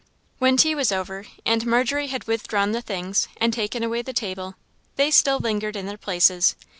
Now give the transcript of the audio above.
When tea was over, and Margery had withdrawn the things, and taken away the table, they still lingered in their places.